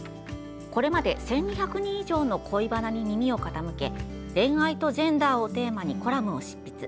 これまで１２００人以上の恋バナに耳を傾け恋愛とジェンダーをテーマにコラムを執筆。